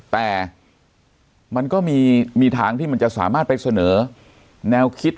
แต่มันก็มีทางที่มันจะสามารถไปเสนอแนวคิด